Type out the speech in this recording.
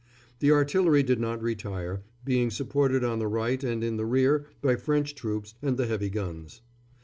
The artillery did not retire, being supported on the right and in the rear by French troops and the heavy guns.